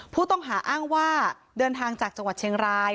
ผู้ต้องหาอ้างว่าเดินทางจากจังหวัดเชียงราย